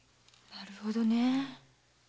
なるほどねぇ。